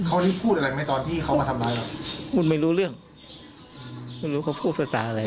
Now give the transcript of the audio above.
เขานี่พูดอะไรไหมตอนที่เขามาทำร้ายพูดไม่รู้เรื่องไม่รู้เขาพูดภาษาอะไร